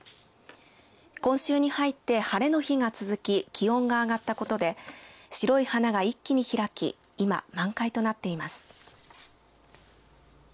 今週に入って晴れの日が続き気温が上がったことで白い花が一気に開き今、満開となっています。